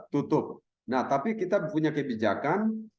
tutup nah tapi kita punya kebijakan